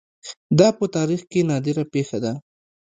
دا په تاریخ کې نادره پېښه ده